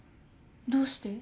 どうして？